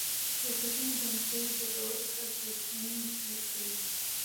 شرکتونه د مشتری د باور لپاره تضمین ورکوي.